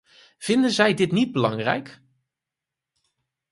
Vinden zij dit niet belangrijk?